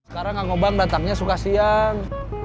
sekarang kang obang datangnya suka siang